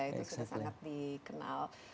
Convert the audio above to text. itu sangat dikenal